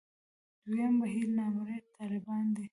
دویم بهیر نامرئي طالبان دي.